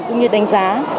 cũng như đánh giá